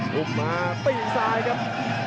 ลุบมากลีบซ้ายครับ